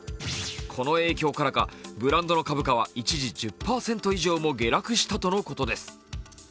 この影響からかブランドの株価は一時１０％以上も下落したとのことです。